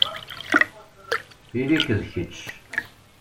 Ili-k d kečč.